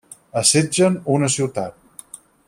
Assetgen una ciutat.